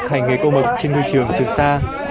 khải nghề cô mực trên ngư trường trường sa